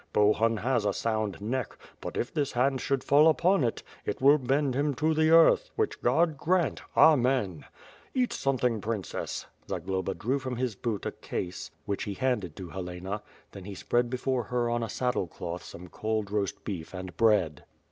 Bohun has a sound neck, but if this hand should fall upon it, it will bend him to the earth, which God prant, Amen! Kat something, Princess!" Zagloba drew from his boot a case, which he handed to Helena; then he spread before her on a saddle cloth some cold roast beef and bread.